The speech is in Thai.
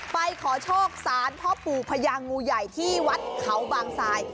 ไปขอโชคสารพ่อปู่พญางูใหญ่ที่วัดเขาบางทราย